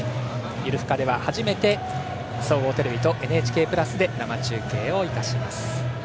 「ゆるふか！」では初めて総合テレビと「ＮＨＫプラス」で生中継をいたします。